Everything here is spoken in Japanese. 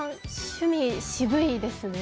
趣味渋いですね。